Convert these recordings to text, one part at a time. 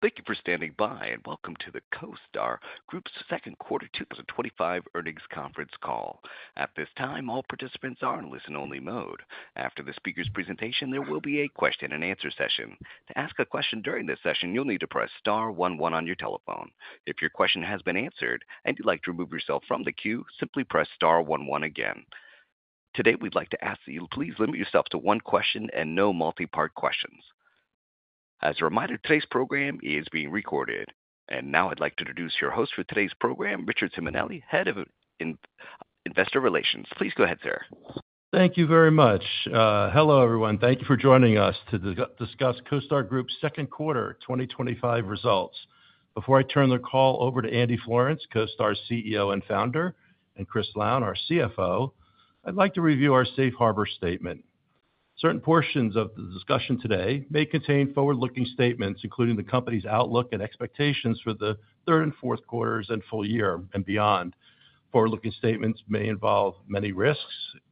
Thank you for standing by and welcome to the CoStar Group's second quarter 2025 earnings conference call. At this time, all participants are in listen-only mode. After the speaker's presentation, there will be a Q&A session. To ask a question during this session, you'll need to press star one one on your telephone. If your question has been answered and you'd like to remove yourself from the queue, simply press star one one again. Today, we'd like to ask that you please limit yourself to one question and no multi-part questions. As a reminder, today's program is being recorded. Now I'd like to introduce your host for today's program, Richard Simonelli, Head of Investor Relations. Please go ahead, sir. Thank you very much. Hello, everyone. Thank you for joining us to discuss CoStar Group's second quarter 2025 results. Before I turn the call over to Andy Florance, CoStar's CEO and founder, and Chris Lown, our CFO, I'd like to review our safe harbor statement. Certain portions of the discussion today may contain forward-looking statements, including the company's outlook and expectations for the third and fourth quarters and full year and beyond. Forward-looking statements may involve many risks,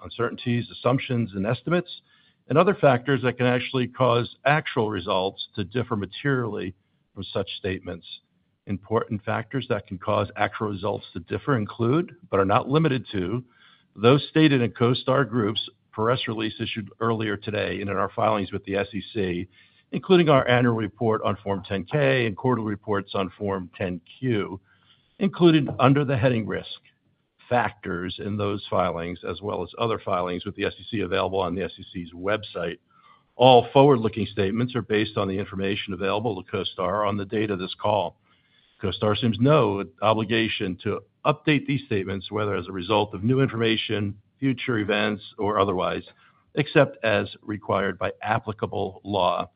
uncertainties, assumptions, and estimates, and other factors that can actually cause actual results to differ materially from such statements. Important factors that can cause actual results to differ include, but are not limited to, those stated in CoStar Group's press release issued earlier today and in our filings with the SEC, including our annual report on Form 10-K and quarterly reports on Form 10-Q, including under the heading risk factors in those filings, as well as other filings with the SEC available on the SEC's website. All forward-looking statements are based on the information available to CoStar on the date of this call. CoStar assumes no obligation to update these statements, whether as a result of new information, future events, or otherwise, except as required by applicable law.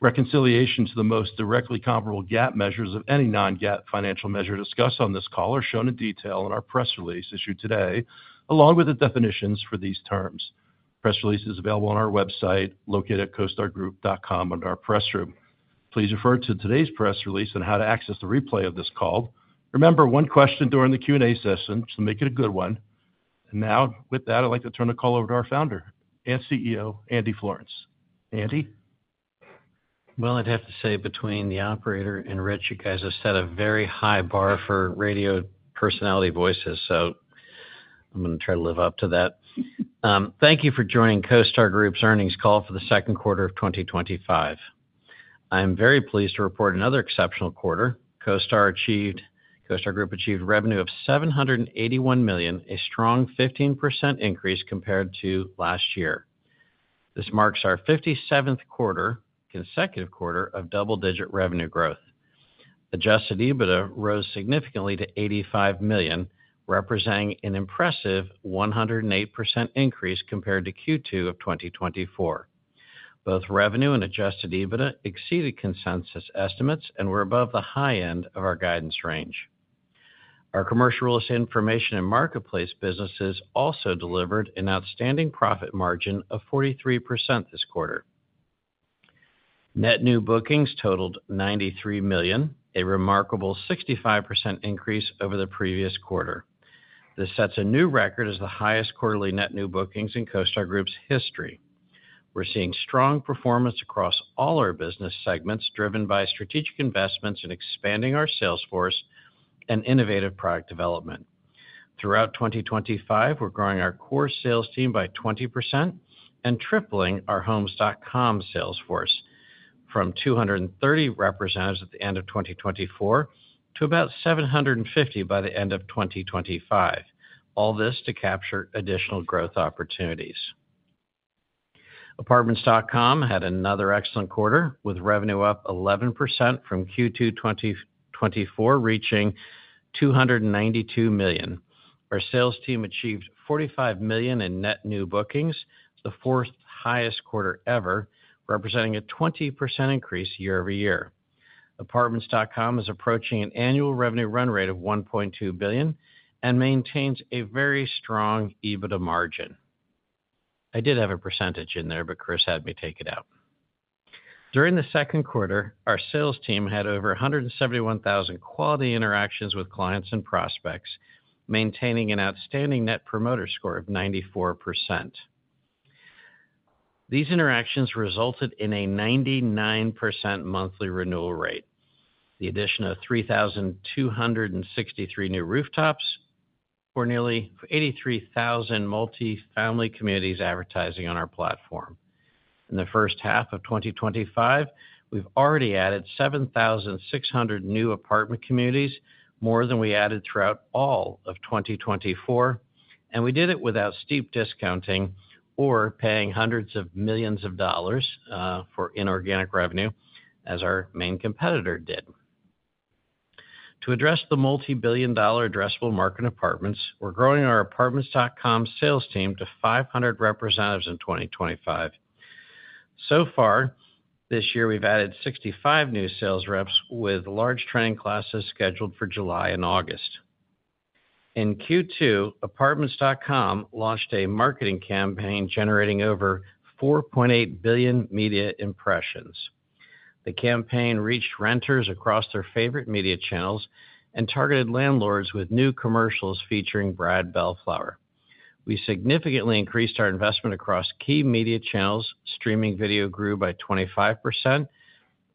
Reconciliation to the most directly comparable GAAP measures of any non-GAAP financial measure discussed on this call are shown in detail in our press release issued today, along with the definitions for these terms. Press release is available on our website, located at costargroup.com, under our press room. Please refer to today's press release on how to access the replay of this call. Remember, one question during the Q&A session to make it a good one. Now, with that, I'd like to turn the call over to our founder and CEO, Andy Florance. Andy. I'd have to say, between the operator and Rich, you guys have set a very high bar for radio personality voices, so I'm going to try to live up to that. Thank you for joining CoStar Group's earnings call for the second quarter of 2025. I am very pleased to report another exceptional quarter. CoStar Group achieved revenue of $781 million, a strong 15% increase compared to last year. This marks our 57th consecutive quarter of double-digit revenue growth. Adjusted EBITDA rose significantly to $85 million, representing an impressive 108% increase compared to Q2 of 2024. Both revenue and adjusted EBITDA exceeded consensus estimates and were above the high end of our guidance range. Our commercial real estate information and marketplace businesses also delivered an outstanding profit margin of 43% this quarter. Net New Bookings totaled $93 million, a remarkable 65% increase over the previous quarter. This sets a new record as the highest quarterly Net New Bookings in CoStar Group's history. We're seeing strong performance across all our business segments, driven by strategic investments in expanding our sales force and innovative product development. Throughout 2025, we're growing our core sales team by 20% and tripling our Homes.com sales force from 230 representatives at the end of 2024 to about 750 by the end of 2025, all this to capture additional growth opportunities. Apartments.com had another excellent quarter, with revenue up 11% from Q2 2024, reaching $292 million. Our sales team achieved $45 million in Net New Bookings, the fourth-highest quarter ever, representing a 20% increase year-over-year. Apartments.com is approaching an annual revenue run rate of $1.2 billion and maintains a very strong EBITDA margin. I did have a percentage in there, but Chris had me take it out. During the second quarter, our sales team had over 171,000 quality interactions with clients and prospects, maintaining an outstanding net promoter score of 94%. These interactions resulted in a 99% monthly renewal rate, the addition of 3,263 new rooftops for nearly 83,000 multifamily communities advertising on our platform. In the first half of 2025, we've already added 7,600 new apartment communities, more than we added throughout all of 2024, and we did it without steep discounting or paying hundreds of millions of dollars for inorganic revenue, as our main competitor did. To address the multi-billion dollar addressable market apartments, we're growing our Apartments.com sales team to 500 representatives in 2025. So far this year, we've added 65 new sales reps, with large training classes scheduled for July and August. In Q2, Apartments.com launched a marketing campaign generating over 4.8 billion media impressions. The campaign reached renters across their favorite media channels and targeted landlords with new commercials featuring Brad Bellflower. We significantly increased our investment across key media channels, streaming video grew by 25%.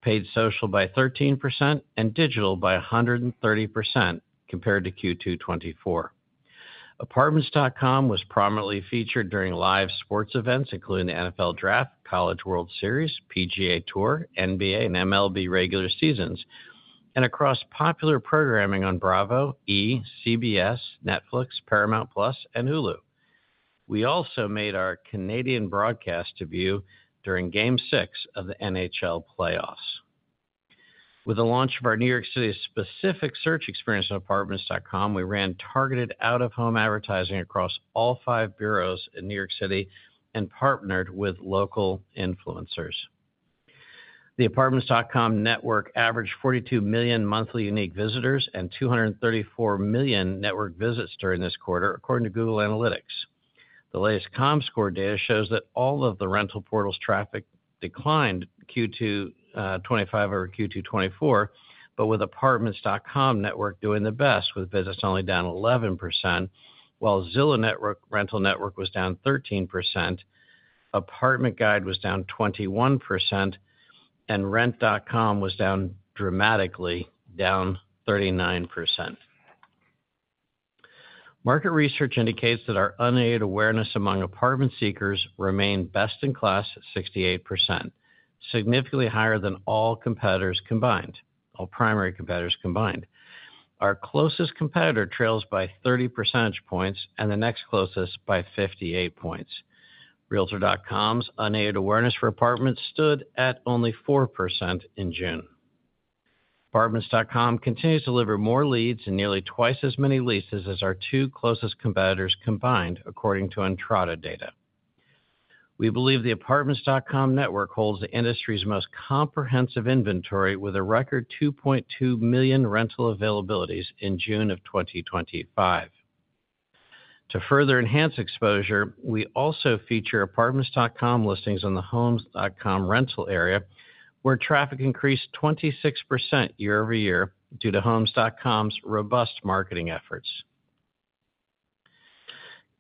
Paid social by 13%, and digital by 130% compared to Q2 2024. Apartments.com was prominently featured during live sports events, including the NFL Draft, College World Series, PGA Tour, NBA, and MLB regular seasons, and across popular programming on Bravo, E!, CBS, Netflix, Paramount+, and Hulu. We also made our Canadian broadcast debut during Game 6 of the NHL Playoffs. With the launch of our New York City-specific search experience on Apartments.com, we ran targeted out-of-home advertising across all five boroughs in New York City and partnered with local influencers. The Apartments.com network averaged 42 million monthly unique visitors and 234 million network visits during this quarter, according to Google Analytics. The latest Comscore data shows that all of the rental portals' traffic declined Q2 2025 over Q2 2024, but with Apartments.com network doing the best, with visits only down 11%, while Zillow Rental Network was down 13%. ApartmentGuide was down 21%. Rent.com was down dramatically, down 39%. Market research indicates that our Unaided Awareness among apartment seekers remained best in class at 68%, significantly higher than all primary competitors combined. Our closest competitor trails by 30 percentage points and the next closest by 58 points. Realtor.com's Unaided Awareness for apartments stood at only 4% in June. Apartments.com continues to deliver more leads and nearly twice as many leases as our two closest competitors combined, according to Entrata data. We believe the Apartments.com network holds the industry's most comprehensive inventory, with a record 2.2 million rental availabilities in June of 2025. To further enhance exposure, we also feature Apartments.com listings in the Homes.com rental area, where traffic increased 26% year-over-year due to Homes.com's robust marketing efforts.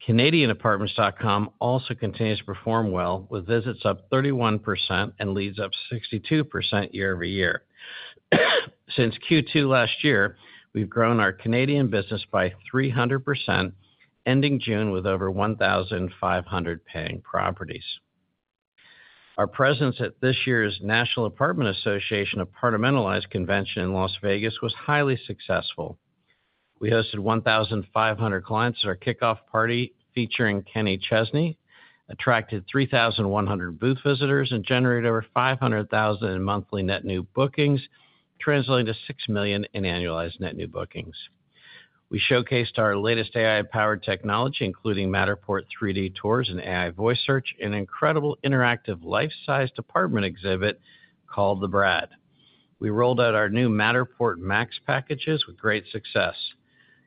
CanadianApartments.com also continues to perform well, with visits up 31% and leads up 62% year-over-year. Since Q2 last year, we've grown our Canadian business by 300%, ending June with over 1,500 paying properties. Our presence at this year's National Apartment Association Apartmentalize convention in Las Vegas was highly successful. We hosted 1,500 clients at our kickoff party featuring Kenny Chesney, attracted 3,100 booth visitors, and generated over 500,000 in monthly Net New Bookings, translating to six million in annualized Net New Bookings. We showcased our latest AI-powered technology, including Matterport 3D tours and AI Voice Search, in an incredible interactive life-sized apartment exhibit called The Brad. We rolled out our new Matterport Max packages with great success.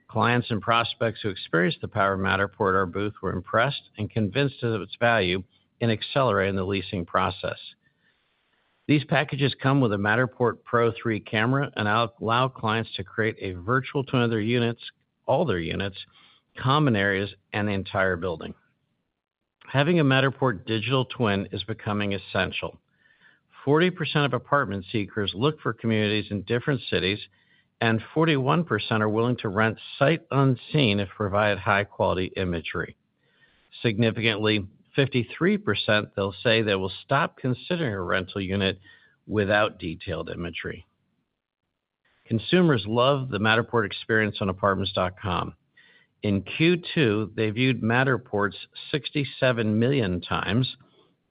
Clients and prospects who experienced the power of Matterport at our booth were impressed and convinced of its value in accelerating the leasing process. These packages come with a Matterport Pro3 camera and allow clients to create a virtual twin of their units, all their units, common areas, and the entire building. Having a Matterport digital twin is becoming essential. 40% of apartment seekers look for communities in different cities, and 41% are willing to rent sight unseen if provided high-quality imagery. Significantly, 53% say they will stop considering a rental unit without detailed imagery. Consumers love the Matterport experience on Apartments.com. In Q2, they viewed Matterport's 67 million times,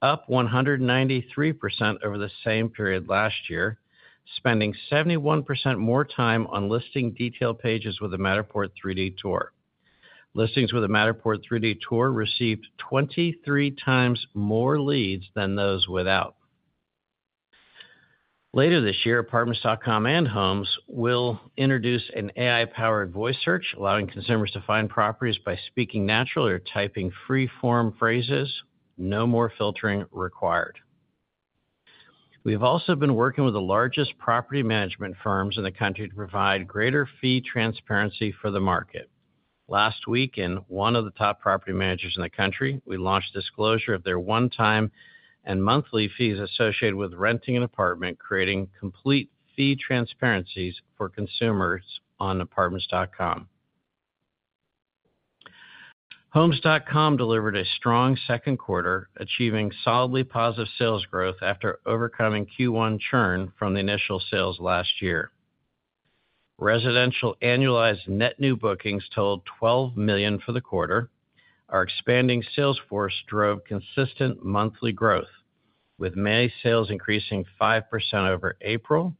up 193% over the same period last year, spending 71% more time on listing detail pages with a Matterport 3D tour. Listings with a Matterport 3D tour received 23 times more leads than those without. Later this year, Apartments.com and Homes will introduce an AI-powered voice search, allowing consumers to find properties by speaking naturally or typing free-form phrases. No more filtering required. We have also been working with the largest property management firms in the country to provide greater fee transparency for the market. Last week, in one of the top property managers in the country, we launched disclosure of their one-time and monthly fees associated with renting an apartment, creating complete fee transparencies for consumers on Apartments.com. Homes.com delivered a strong second quarter, achieving solidly positive sales growth after overcoming Q1 churn from the initial sales last year. Residential annualized Net New Bookings totaled $12 million for the quarter. Our expanding sales force drove consistent monthly growth, with May sales increasing 5% over April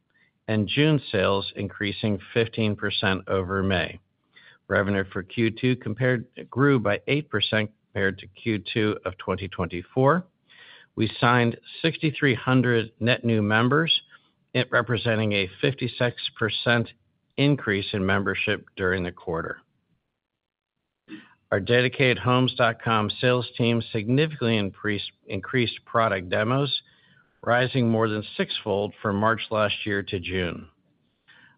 and June sales increasing 15% over May. Revenue for Q2 grew by 8% compared to Q2 of 2024. We signed 6,300 net new members, representing a 56% increase in membership during the quarter. Our dedicated Homes.com sales team significantly increased product demos, rising more than sixfold from March last year to June.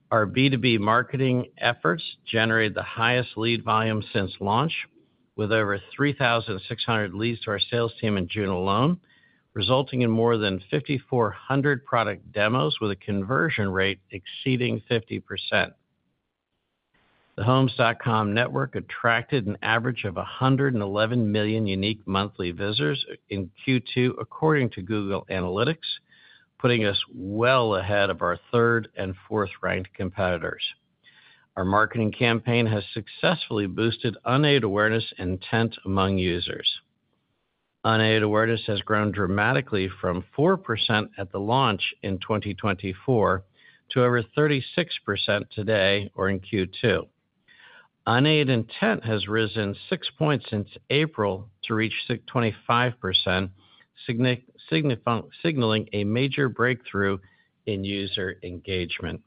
Our B2B marketing efforts generated the highest lead volume since launch, with over 3,600 leads to our sales team in June alone, resulting in more than 5,400 product demos, with a conversion rate exceeding 50%. The Homes.com network attracted an average of 111 million unique monthly visitors in Q2, according to Google Analytics, putting us well ahead of our third and fourth-ranked competitors. Our marketing campaign has successfully boosted Unaided Awareness intent among users. Unaided Awareness has grown dramatically from 4% at the launch in 2024 to over 36% today or in Q2. Unaided intent has risen six points since April to reach 25%, signaling a major breakthrough in user engagement.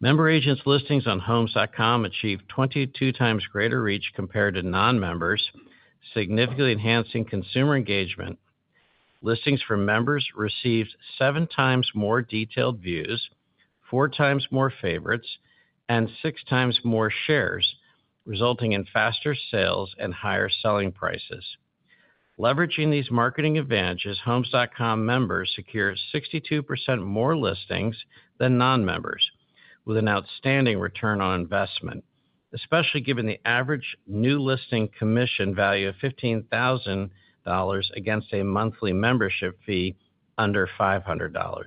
Member agents' listings on Homes.com achieved 22x greater reach compared to non-members, significantly enhancing consumer engagement. Listings for members received 7x more detailed views, 4x more favorites, and 6x more shares, resulting in faster sales and higher selling prices. Leveraging these marketing advantages, Homes.com members secure 62% more listings than non-members, with an outstanding return on investment, especially given the average new listing commission value of $15,000 against a monthly membership fee under $500.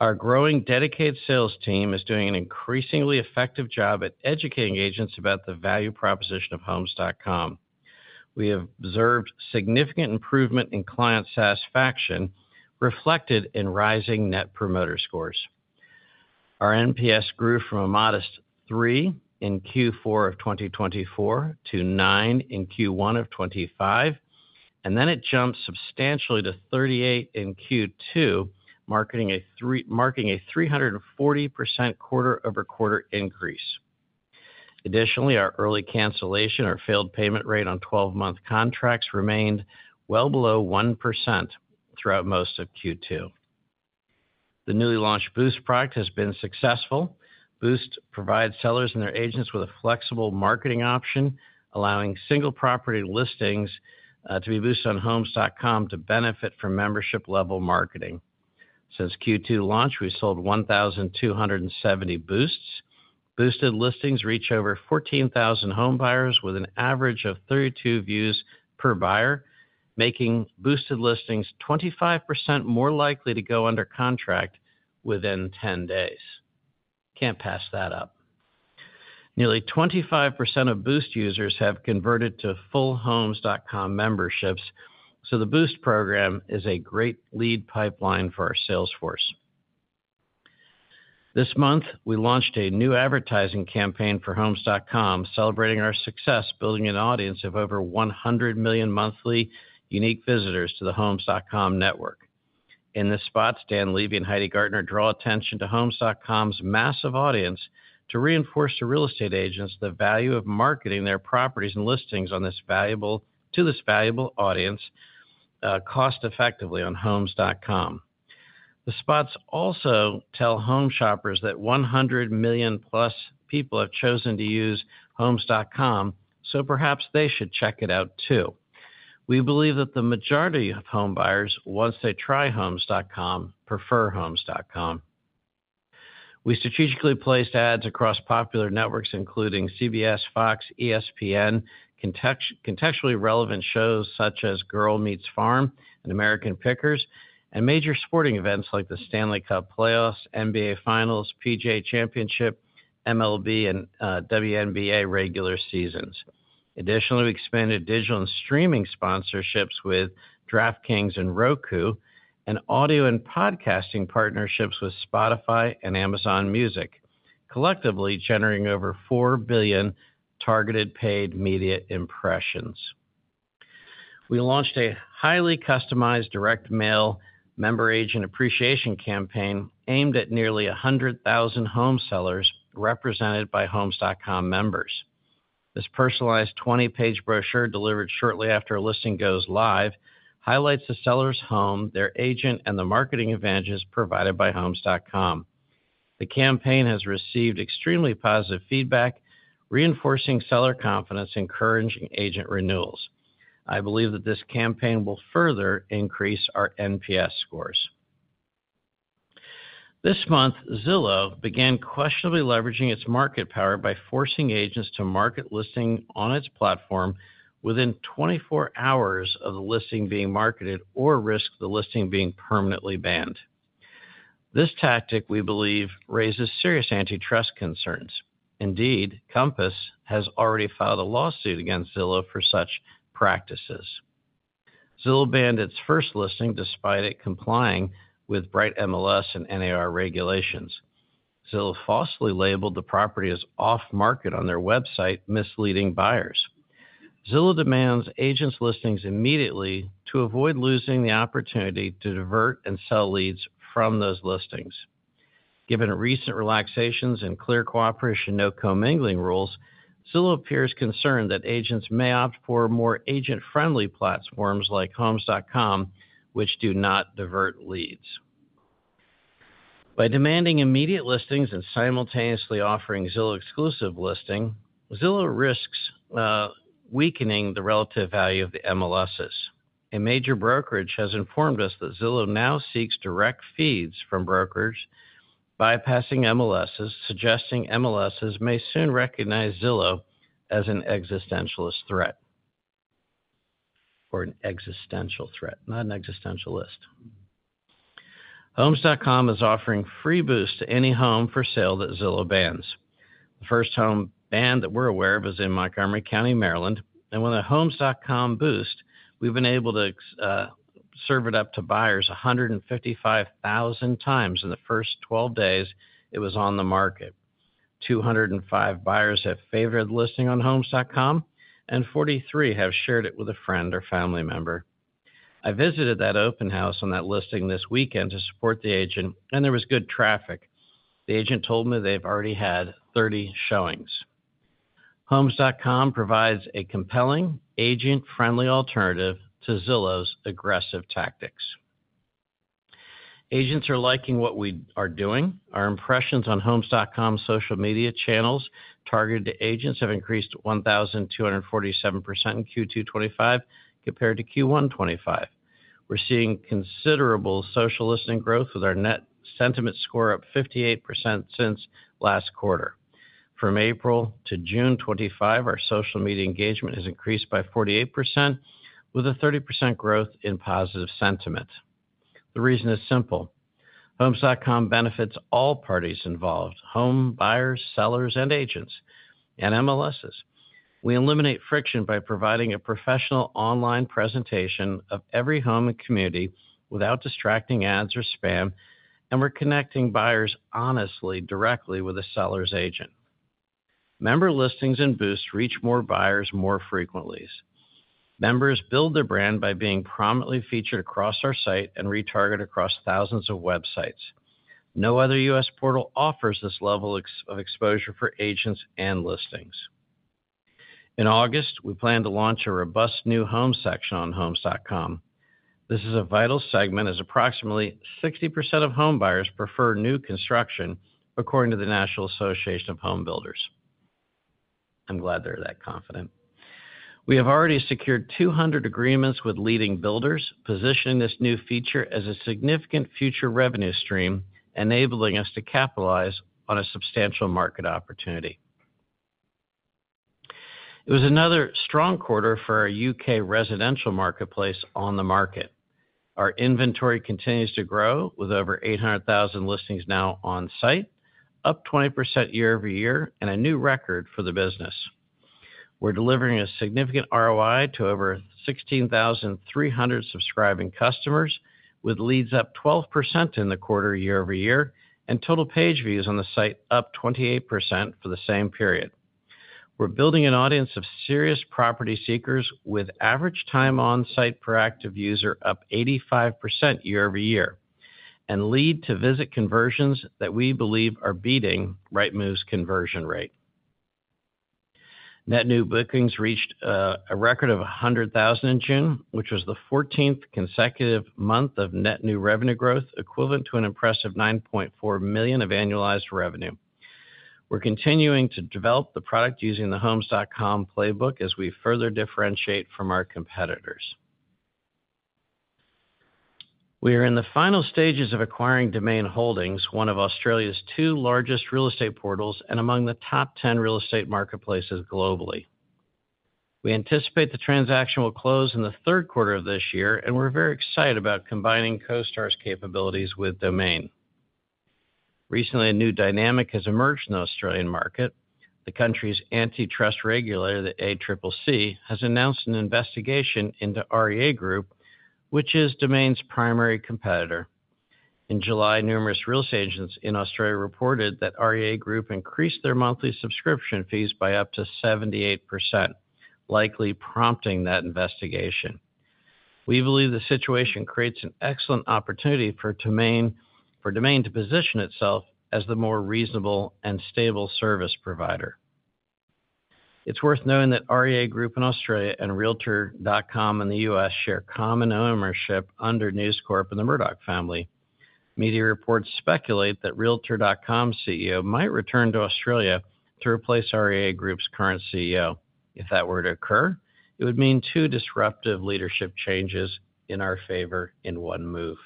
Our growing dedicated sales team is doing an increasingly effective job at educating agents about the value proposition of Homes.com. We have observed significant improvement in client satisfaction, reflected in rising Net Promoter Scores. Our NPS grew from a modest three in Q4 of 2024 to nine in Q1 of 2025, and then it jumped substantially to 38 in Q2, marking a 340% quarter-over-quarter increase. Additionally, our early cancellation or failed payment rate on 12-month contracts remained well below 1% throughout most of Q2. The newly launched Boost product has been successful. Boost provides sellers and their agents with a flexible marketing option, allowing single-property listings to be boosted on Homes.com to benefit from membership-level marketing. Since Q2 launch, we sold 1,270 Boosts. Boosted listings reach over 14,000 homebuyers with an average of 32 views per buyer, making Boosted listings 25% more likely to go under contract within 10 days. Can't pass that up. Nearly 25% of Boost users have converted to full Homes.com memberships, so the Boost program is a great lead pipeline for our sales force. This month, we launched a new advertising campaign for Homes.com, celebrating our success building an audience of over 100 million monthly unique visitors to the Homes.com network. In this spot, Dan Levy and Heidi Gardner draw attention to Homes.com's massive audience to reinforce to real estate agents the value of marketing their properties and listings to this valuable audience cost-effectively on Homes.com. The spots also tell home shoppers that 100 million-plus people have chosen to use Homes.com, so perhaps they should check it out too. We believe that the majority of homebuyers, once they try Homes.com, prefer Homes.com. We strategically placed ads across popular networks, including CBS, Fox, ESPN, contextually relevant shows such as Girl Meets Farm and American Pickers, and major sporting events like the Stanley Cup Playoffs, NBA Finals, PGA Championship, MLB, and WNBA regular seasons. Additionally, we expanded digital and streaming sponsorships with DraftKings and Roku, and audio and podcasting partnerships with Spotify and Amazon Music, collectively generating over 4 billion targeted paid media impressions. We launched a highly customized direct mail member agent appreciation campaign aimed at nearly 100,000 home sellers represented by Homes.com members. This personalized 20-page brochure, delivered shortly after a listing goes live, highlights the seller's home, their agent, and the marketing advantages provided by Homes.com. The campaign has received extremely positive feedback, reinforcing seller confidence and encouraging agent renewals. I believe that this campaign will further increase our NPS scores. This month, Zillow began questionably leveraging its market power by forcing agents to market listing on its platform within 24 hours of the listing being marketed or risk the listing being permanently banned. This tactic, we believe, raises serious antitrust concerns. Indeed, Compass has already filed a lawsuit against Zillow for such practices. Zillow banned its first listing despite it complying with Bright MLS and NAR regulations. Zillow falsely labeled the property as off-market on their website, misleading buyers. Zillow demands agents listings immediately to avoid losing the opportunity to divert and sell leads from those listings. Given recent relaxations and clear cooperation no commingling rules, Zillow appears concerned that agents may opt for more agent-friendly platforms like Homes.com, which do not divert leads. By demanding immediate listings and simultaneously offering Zillow exclusive listing, Zillow risks weakening the relative value of the MLSs. A major brokerage has informed us that Zillow now seeks direct feeds from brokers, bypassing MLSs, suggesting MLSs may soon recognize Zillow as an existential threat, not an existentialist. Homes.com is offering free Boosts to any home for sale that Zillow bans. The first home banned that we're aware of is in Montgomery County, Maryland. With a Homes.com Boost, we've been able to serve it up to buyers 155,000x in the first 12 days it was on the market. 205 buyers have favored the listing on Homes.com, and 43 have shared it with a friend or family member. I visited that open house on that listing this weekend to support the agent, and there was good traffic. The agent told me they've already had 30 showings. Homes.com provides a compelling, agent-friendly alternative to Zillow's aggressive tactics. Agents are liking what we are doing. Our impressions on Homes.com social media channels targeted to agents have increased 1,247% in Q2 2025 compared to Q1 2025. We're seeing considerable social listing growth with our net sentiment score up 58% since last quarter. From April to June 2025, our social media engagement has increased by 48%, with a 30% growth in positive sentiment. The reason is simple. Homes.com benefits all parties involved: homebuyers, sellers, agents, and MLSs. We eliminate friction by providing a professional online presentation of every home and community without distracting ads or spam, and we're connecting buyers honestly, directly with a seller's agent. Member listings and Boosts reach more buyers more frequently. Members build their brand by being prominently featured across our site and retargeted across thousands of websites. No other U.S. portal offers this level of exposure for agents and listings. In August, we plan to launch a robust new home section on Homes.com. This is a vital segment as approximately 60% of homebuyers prefer new construction, according to the National Association of Home Builders. I'm glad they're that confident. We have already secured 200 agreements with leading builders, positioning this new feature as a significant future revenue stream, enabling us to capitalize on a substantial market opportunity. It was another strong quarter for our U.K. residential marketplace OnTheMarket. Our inventory continues to grow, with over 800,000 listings now on site, up 20% year-over-year, and a new record for the business. We're delivering a significant ROI to over 16,300 subscribing customers, with leads up 12% in the quarter year-over-year, and total page views on the site up 28% for the same period. We're building an audience of serious property seekers with average time on site per active user up 85% year-over-year, and lead-to-visit conversions that we believe are beating Rightmove's conversion rate. Net New Bookings reached a record of 100,000 in June, which was the 14th consecutive month of net new revenue growth equivalent to an impressive $9.4 million of annualized revenue. We're continuing to develop the product using the Homes.com playbook as we further differentiate from our competitors. We are in the final stages of acquiring Domain Holdings, one of Australia's two largest real estate portals and among the top 10 real estate marketplaces globally. We anticipate the transaction will close in the third quarter of this year, and we're very excited about combining CoStar's capabilities with Domain. Recently, a new dynamic has emerged in the Australian market. The country's antitrust regulator, the ACCC, has announced an investigation into REA Group, which is Domain's primary competitor. In July, numerous real estate agents in Australia reported that REA Group increased their monthly subscription fees by up to 78%, likely prompting that investigation. We believe the situation creates an excellent opportunity for Domain to position itself as the more reasonable and stable service provider. It's worth knowing that REA Group in Australia and Realtor.com in the U.S. share common ownership under News Corp and the Murdoch family. Media reports speculate that Realtor.com CEO might return to Australia to replace REA Group's current CEO. If that were to occur, it would mean two disruptive leadership changes in our favor in one move.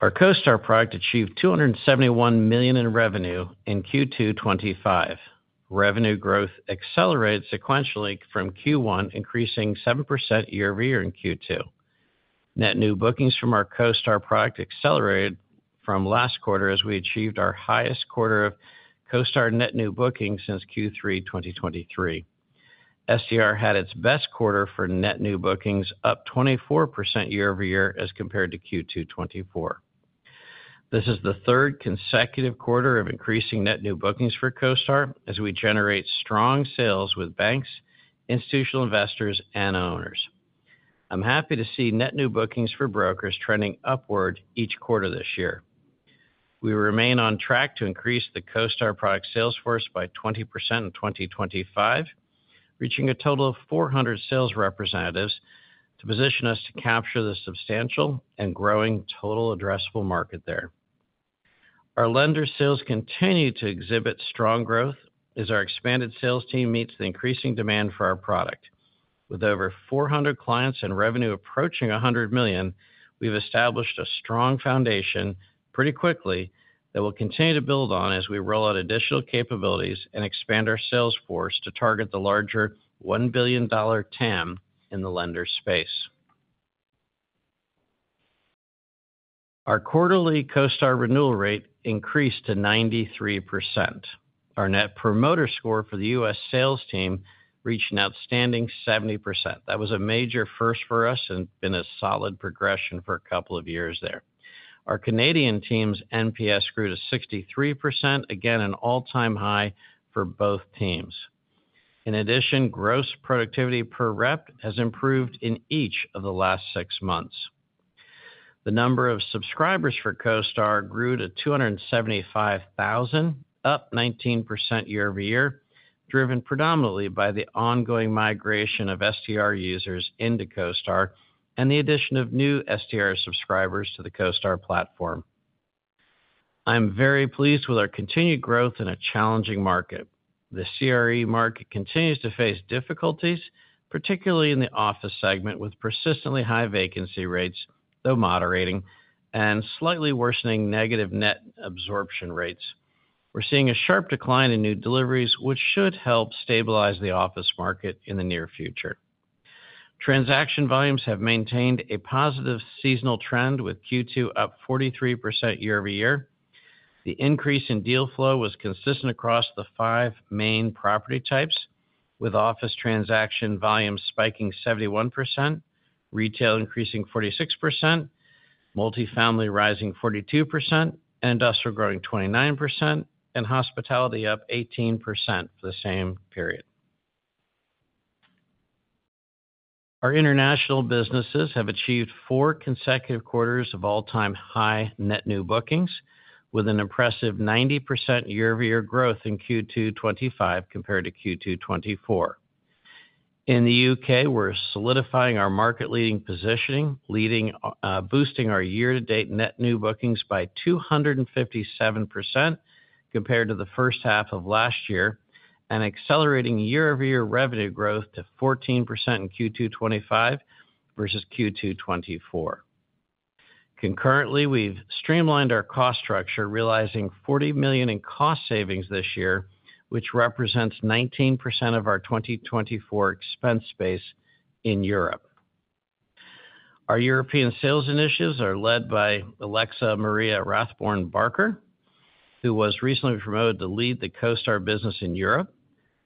Our CoStar product achieved $271 million in revenue in Q2 2025. Revenue growth accelerated sequentially from Q1, increasing 7% year-over-year in Q2. Net New Bookings from our CoStar product accelerated from last quarter as we achieved our highest quarter of CoStar Net New Bookings since Q3 2023. STR had its best quarter for Net New Bookings, up 24% year-over-year as compared to Q2 2024. This is the third consecutive quarter of increasing Net New Bookings for CoStar as we generate strong sales with banks, institutional investors, and owners. I'm happy to see Net New Bookings for brokers trending upward each quarter this year. We remain on track to increase the CoStar product sales force by 20% in 2025, reaching a total of 400 sales representatives to position us to capture the substantial and growing total addressable market there. Our lender sales continue to exhibit strong growth as our expanded sales team meets the increasing demand for our product. With over 400 clients and revenue approaching $100 million, we've established a strong foundation pretty quickly that we'll continue to build on as we roll out additional capabilities and expand our sales force to target the larger $1 billion TAM in the lender space. Our quarterly CoStar renewal rate increased to 93%. Our Net Promoter Score for the U.S. sales team reached an outstanding 70%. That was a major first for us and has been a solid progression for a couple of years there. Our Canadian team's NPS grew to 63%, again an all-time high for both teams. In addition, gross productivity per rep has improved in each of the last six months. The number of subscribers for CoStar grew to 275,000, up 19% year-over-year, driven predominantly by the ongoing migration of STR users into CoStar and the addition of new STR subscribers to the CoStar platform. I'm very pleased with our continued growth in a challenging market. The CRE market continues to face difficulties, particularly in the office segment with persistently high vacancy rates, though moderating, and slightly worsening negative net absorption rates. We're seeing a sharp decline in new deliveries, which should help stabilize the office market in the near future. Transaction volumes have maintained a positive seasonal trend with Q2 up 43% year-over-year. The increase in deal flow was consistent across the five main property types, with office transaction volume spiking 71%, retail increasing 46%, multifamily rising 42%, industrial growing 29%, and hospitality up 18% for the same period. Our international businesses have achieved four consecutive quarters of all-time high Net New Bookings, with an impressive 90% year-over-year growth in Q2 2025 compared to Q2 2024. In the U.K., we're solidifying our market-leading positioning, boosting our year-to-date Net New Bookings by 257% compared to the first half of last year, and accelerating year-over-year revenue growth to 14% in Q2 2025 versus Q2 2024. Concurrently, we've streamlined our cost structure, realizing $40 million in cost savings this year, which represents 19% of our 2024 expense base in Europe. Our European sales initiatives are led by Alexa Maria Rathbone-Barker, who was recently promoted to lead the CoStar business in Europe.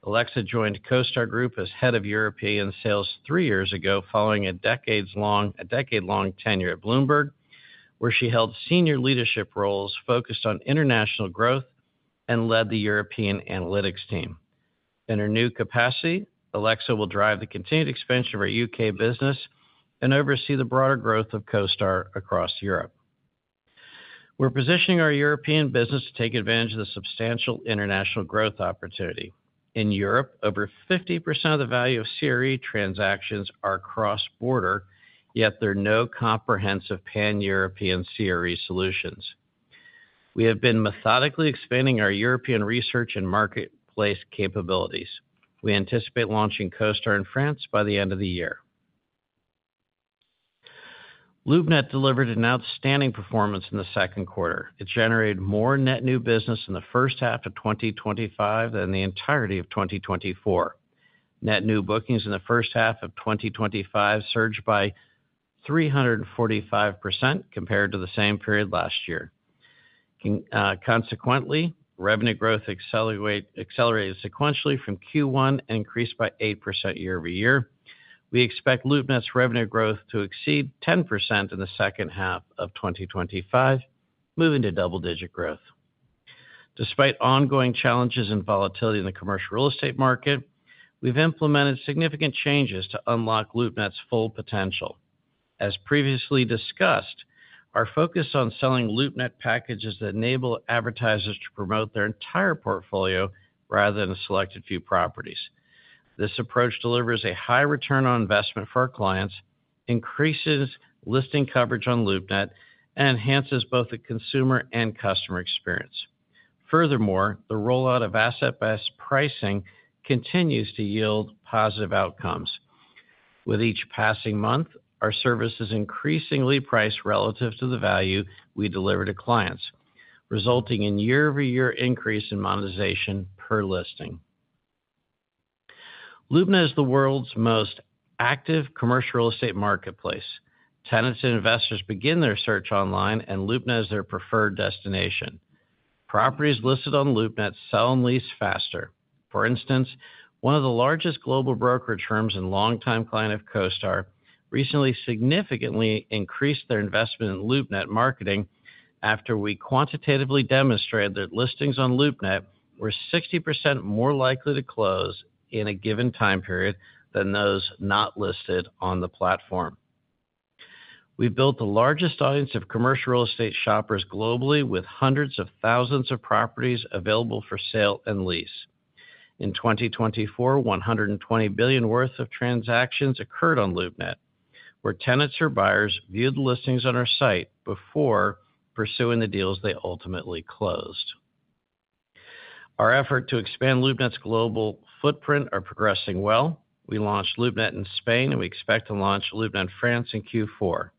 Alexa joined CoStar Group as head of European sales three years ago following a decade-long tenure at Bloomberg, where she held senior leadership roles focused on international growth and led the European analytics team. In her new capacity, Alexa will drive the continued expansion of our U.K. business and oversee the broader growth of CoStar across Europe. We're positioning our European business to take advantage of the substantial international growth opportunity. In Europe, over 50% of the value of CRE transactions are cross-border, yet there are no comprehensive pan-European CRE solutions. We have been methodically expanding our European research and marketplace capabilities. We anticipate launching CoStar in France by the end of the year. LoopNet delivered an outstanding performance in the second quarter. It generated more net new business in the first half of 2025 than the entirety of 2024. Net New Bookings in the first half of 2025 surged by 345% compared to the same period last year. Consequently, revenue growth accelerated sequentially from Q1 and increased by 8% year-over-year. We expect LoopNet's revenue growth to exceed 10% in the second half of 2025, moving to double-digit growth. Despite ongoing challenges and volatility in the commercial real estate market, we've implemented significant changes to unlock LoopNet's full potential. As previously discussed, our focus on selling LoopNet packages that enable advertisers to promote their entire portfolio rather than a selected few properties. This approach delivers a high return on investment for our clients, increases listing coverage on LoopNet, and enhances both the consumer and customer experience. Furthermore, the rollout of asset-based pricing continues to yield positive outcomes. With each passing month, our service is increasingly priced relative to the value we deliver to clients, resulting in year-over-year increase in monetization per listing. LoopNet is the world's most active commercial real estate marketplace. Tenants and investors begin their search online, and LoopNet is their preferred destination. Properties listed on LoopNet sell and lease faster. For instance, one of the largest global brokerage firms and long-time clients of CoStar recently significantly increased their investment in LoopNet marketing after we quantitatively demonstrated that listings on LoopNet were 60% more likely to close in a given time period than those not listed on the platform. We've built the largest audience of commercial real estate shoppers globally, with hundreds of thousands of properties available for sale and lease. In 2024, $120 billion worth of transactions occurred on LoopNet, where tenants or buyers viewed the listings on our site before pursuing the deals they ultimately closed. Our effort to expand LoopNet's global footprint is progressing well. We launched LoopNet in Spain, and we expect to launch LoopNet in France in Q4.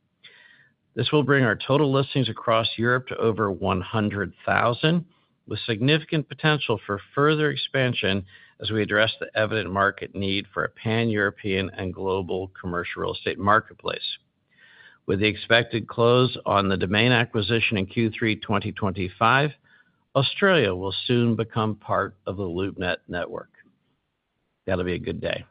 This will bring our total listings across Europe to over 100,000, with significant potential for further expansion as we address the evident market need for a pan-European and global commercial real estate marketplace. With the expected close on the Domain Holdings acquisition in Q3 2025, Australia will soon become part of the LoopNet network. That'll be a good day.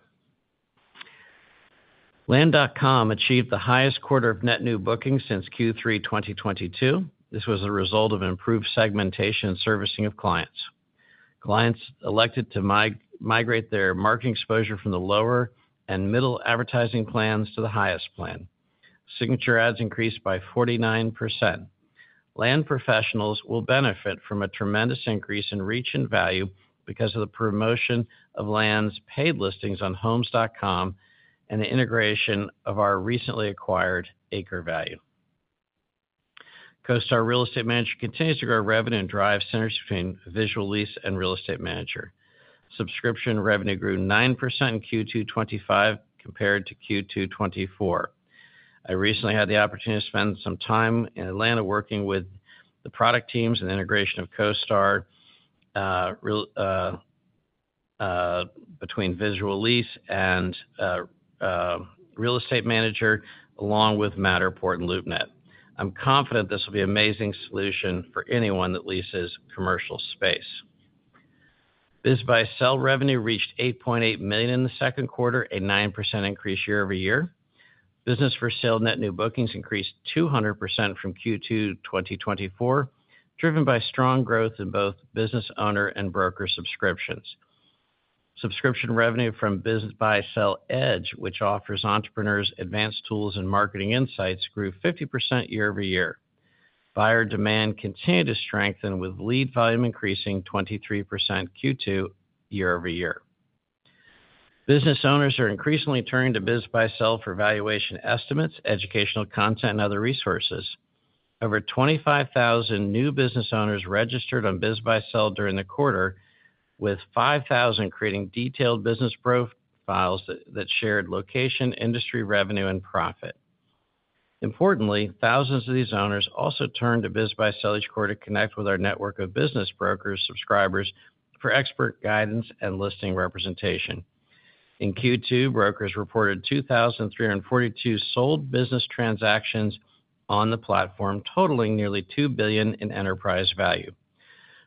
Land.com achieved the highest quarter of Net New Bookings since Q3 2022. This was a result of improved segmentation and servicing of clients. Clients elected to migrate their marketing exposure from the lower and middle advertising plans to the highest plan. Signature ads increased by 49%. Land professionals will benefit from a tremendous increase in reach and value because of the promotion of land's paid listings on Homes.com and the integration of our recently acquired AcreValue. CoStar Real Estate Manager continues to grow revenue and drive synergies between Visual Lease and Real Estate Manager. Subscription revenue grew 9% in Q2 2025 compared to Q2 2024. I recently had the opportunity to spend some time in Atlanta working with the product teams and integration of CoStar. Between Visual Lease and Real Estate Manager, along with Matterport and LoopNet, I'm confident this will be an amazing solution for anyone that leases commercial space. BizBuySell revenue reached $8.8 million in the second quarter, a 9% increase year-over-year. Business for sale Net New Bookings increased 200% from Q2 2024, driven by strong growth in both business owner and broker subscriptions. Subscription revenue from BizBuySell Edge, which offers entrepreneurs advanced tools and marketing insights, grew 50% year-over-year. Buyer demand continued to strengthen, with lead volume increasing 23% Q2 year-over-year. Business owners are increasingly turning to BizBuySell for valuation estimates, educational content, and other resources. Over 25,000 new business owners registered on BizBuySell during the quarter, with 5,000 creating detailed business profiles that shared location, industry, revenue, and profit. Importantly, thousands of these owners also turned to BizBuySell each quarter to connect with our network of business brokers and subscribers for expert guidance and listing representation. In Q2, brokers reported 2,342 sold business transactions on the platform, totaling nearly $2 billion in enterprise value.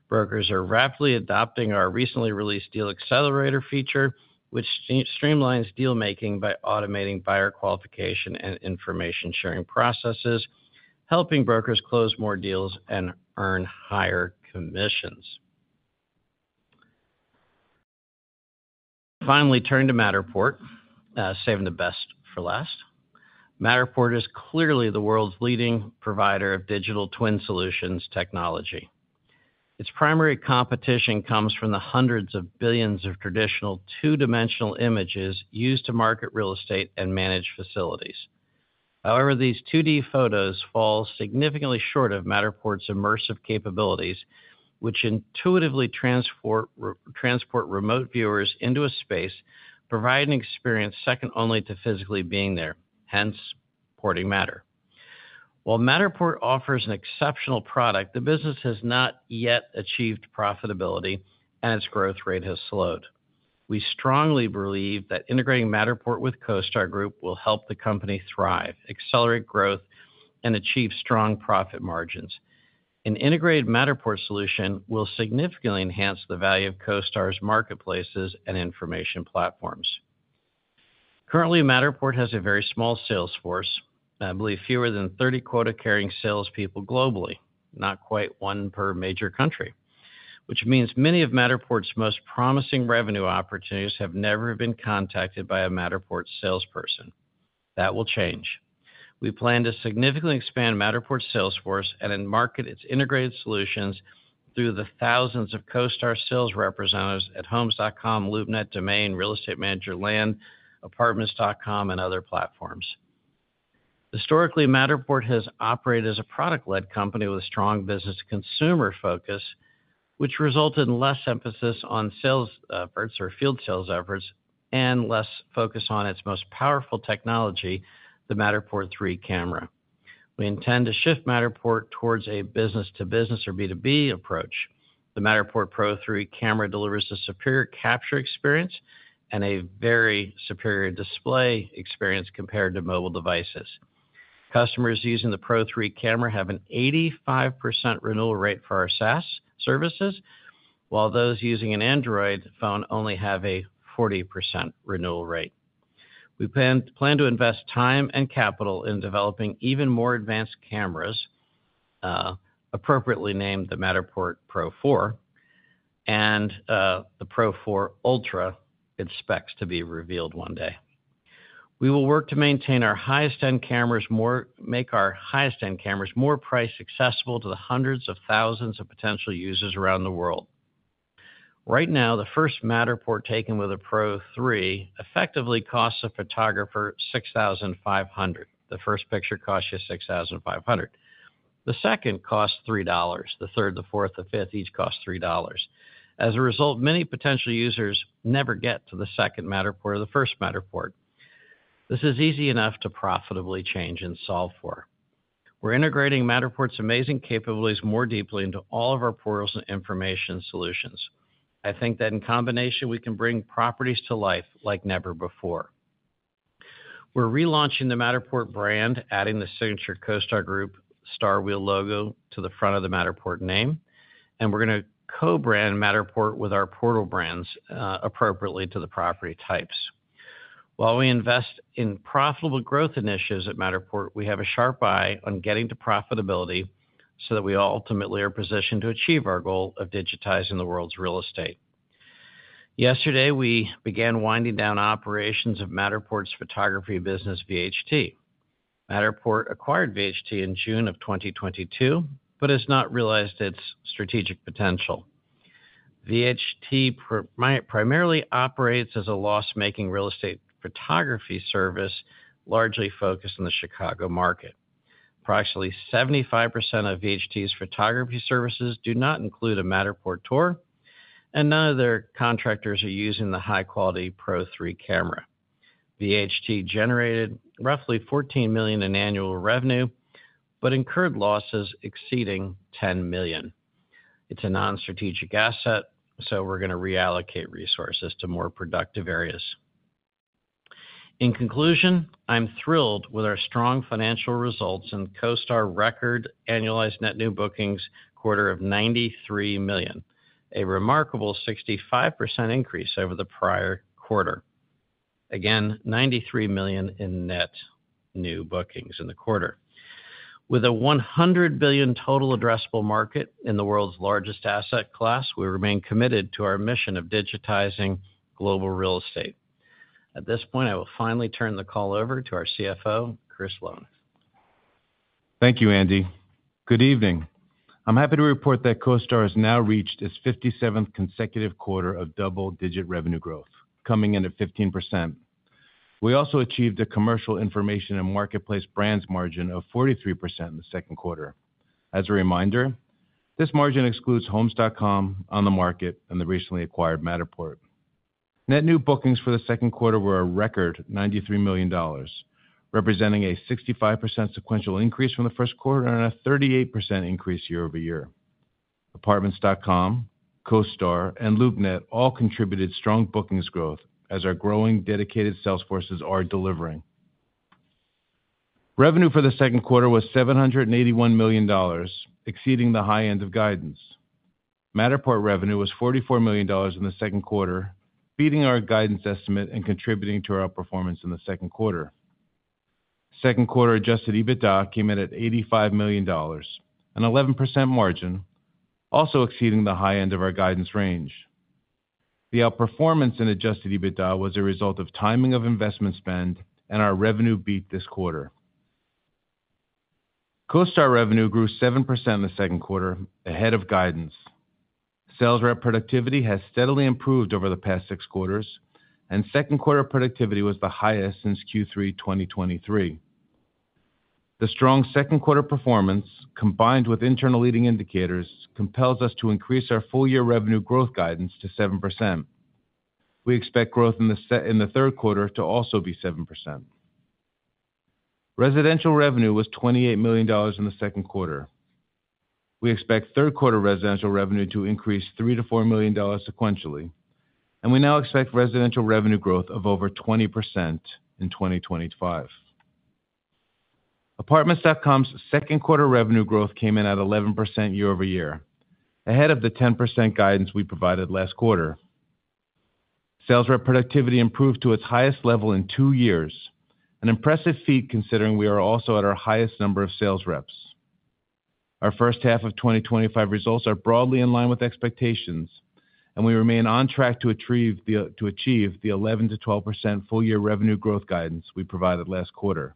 Brokers are rapidly adopting our recently released deal accelerator feature, which streamlines deal-making by automating buyer qualification and information-sharing processes, helping brokers close more deals and earn higher commissions. Finally, turning to Matterport. Saving the best for last. Matterport is clearly the world's leading provider of digital twin solutions technology. Its primary competition comes from the hundreds of billions of traditional two-dimensional images used to market real estate and manage facilities. However, these 2D photos fall significantly short of Matterport's immersive capabilities, which intuitively transport remote viewers into a space, providing an experience second only to physically being there, hence porting matter. While Matterport offers an exceptional product, the business has not yet achieved profitability, and its growth rate has slowed. We strongly believe that integrating Matterport with CoStar Group will help the company thrive, accelerate growth, and achieve strong profit margins. An integrated Matterport solution will significantly enhance the value of CoStar's marketplaces and information platforms. Currently, Matterport has a very small sales force, I believe fewer than 30 quota-carrying salespeople globally, not quite one per major country, which means many of Matterport's most promising revenue opportunities have never been contacted by a Matterport salesperson. That will change. We plan to significantly expand Matterport's sales force and market its integrated solutions through the thousands of CoStar sales representatives at Homes.com, LoopNet, Domain, Real Estate Manager, Land, Apartments.com, and other platforms. Historically, Matterport has operated as a product-led company with a strong business consumer focus, which resulted in less emphasis on sales efforts or field sales efforts and less focus on its most powerful technology, the Matterport Pro3 camera. We intend to shift Matterport towards a business-to-business or B2B approach. The Matterport Pro3 camera delivers a superior capture experience and a very superior display experience compared to mobile devices. Customers using the Pro3 camera have an 85% renewal rate for our SaaS services, while those using an Android phone only have a 40% renewal rate. We plan to invest time and capital in developing even more advanced cameras. Appropriately named the Matterport Pro4. And the Pro4 Ultra expects to be revealed one day. We will work to maintain our highest-end cameras more—make our highest-end cameras more price-accessible to the hundreds of thousands of potential users around the world. Right now, the first Matterport taken with a Pro3 effectively costs a photographer $6,500. The first picture costs you $6,500. The second costs $3. The third, the fourth, the fifth—each costs $3. As a result, many potential users never get to the second Matterport or the first Matterport. This is easy enough to profitably change and solve for. We're integrating Matterport's amazing capabilities more deeply into all of our portals and information solutions. I think that in combination, we can bring properties to life like never before. We're relaunching the Matterport brand, adding the signature CoStar Group Star Wheel logo to the front of the Matterport name, and we're going to co-brand Matterport with our portal brands appropriately to the property types. While we invest in profitable growth initiatives at Matterport, we have a sharp eye on getting to profitability so that we ultimately are positioned to achieve our goal of digitizing the world's real estate. Yesterday, we began winding down operations of Matterport's photography business, VHT. Matterport acquired VHT in June of 2022 but has not realized its strategic potential. VHT primarily operates as a loss-making real estate photography service, largely focused on the Chicago market. Approximately 75% of VHT's photography services do not include a Matterport tour, and none of their contractors are using the high-quality Pro3 camera. VHT generated roughly $14 million in annual revenue but incurred losses exceeding $10 million. It's a non-strategic asset, so we're going to reallocate resources to more productive areas. In conclusion, I'm thrilled with our strong financial results and CoStar record annualized Net New Bookings quarter of $93 million, a remarkable 65% increase over the prior quarter. Again, $93 million in Net New Bookings in the quarter. With a $100 billion total addressable market in the world's largest asset class, we remain committed to our mission of digitizing global real estate. At this point, I will finally turn the call over to our CFO, Chris Lown. Thank you, Andy. Good evening. I'm happy to report that CoStar has now reached its 57th consecutive quarter of double-digit revenue growth, coming in at 15%. We also achieved a commercial information and marketplace brands margin of 43% in the second quarter. As a reminder, this margin excludes Homes.com, OnTheMarket, and the recently acquired Matterport. Net New Bookings for the second quarter were a record $93 million, representing a 65% sequential increase from the first quarter and a 38% increase year-over-year. Apartments.com, CoStar, and LoopNet all contributed strong bookings growth as our growing dedicated sales forces are delivering. Revenue for the second quarter was $781 million, exceeding the high end of guidance. Matterport revenue was $44 million in the second quarter, beating our guidance estimate and contributing to our outperformance in the second quarter. Second quarter adjusted EBITDA came in at $85 million, an 11% margin, also exceeding the high end of our guidance range. The outperformance in adjusted EBITDA was a result of timing of investment spend, and our revenue beat this quarter. CoStar revenue grew 7% in the second quarter ahead of guidance. Sales rep productivity has steadily improved over the past six quarters, and second quarter productivity was the highest since Q3 2023. The strong second quarter performance, combined with internal leading indicators, compels us to increase our full-year revenue growth guidance to 7%. We expect growth in the third quarter to also be 7%. Residential revenue was $28 million in the second quarter. We expect third quarter residential revenue to increase $3-$4 million sequentially, and we now expect residential revenue growth of over 20% in 2025. Apartments.com's second quarter revenue growth came in at 11% year-over-year, ahead of the 10% guidance we provided last quarter. Sales rep productivity improved to its highest level in two years, an impressive feat considering we are also at our highest number of sales reps. Our first half of 2025 results are broadly in line with expectations, and we remain on track to achieve the 11%-12% full-year revenue growth guidance we provided last quarter.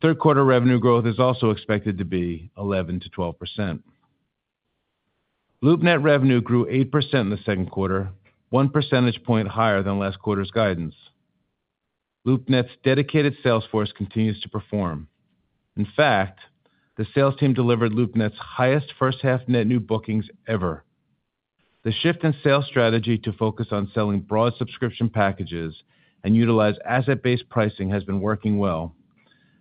Third quarter revenue growth is also expected to be 11%-12%. LoopNet revenue grew 8% in the second quarter, one percentage point higher than last quarter's guidance. LoopNet's dedicated sales force continues to perform. In fact, the sales team delivered LoopNet's highest first-half Net New Bookings ever. The shift in sales strategy to focus on selling broad subscription packages and utilize asset-based pricing has been working well,